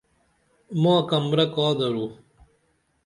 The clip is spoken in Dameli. ما کمرہ کا درو؟